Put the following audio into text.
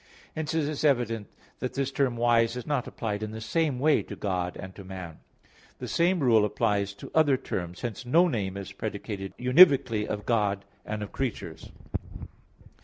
Hence it is evident that this term "wise" is not applied in the same way to God and to man. The same rule applies to other terms. Hence no name is predicated univocally of God and of creatures.